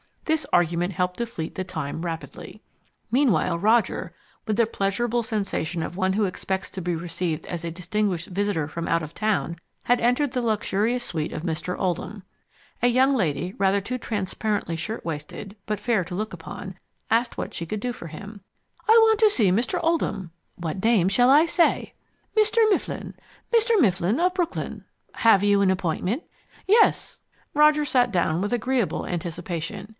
This argument helped to fleet the time rapidly. Meanwhile Roger, with the pleasurable sensation of one who expects to be received as a distinguished visitor from out of town, had entered the luxurious suite of Mr. Oldham. A young lady, rather too transparently shirtwaisted but fair to look upon, asked what she could do for him. "I want to see Mr. Oldham." "What name shall I say?" "Mr. Mifflin Mr. Mifflin of Brooklyn." "Have you an appointment?" "Yes." Roger sat down with agreeable anticipation.